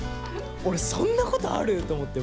俺そんなことある！？と思って。